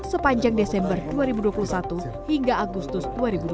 sepanjang desember dua ribu dua puluh satu hingga agustus dua ribu dua puluh